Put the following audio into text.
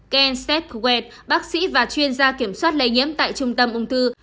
ken steadquett bác sĩ và chuyên gia kiểm soát lây nhiễm tại trung tâm ung thư